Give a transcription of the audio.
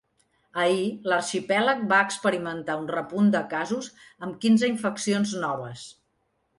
Ahir l’arxipèlag va experimentar un repunt de casos amb quinze infeccions noves.